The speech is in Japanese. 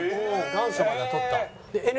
願書までは取った。